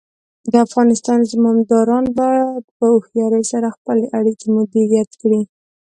د افغانستان زمامداران باید په هوښیارۍ سره خپلې اړیکې مدیریت کړي.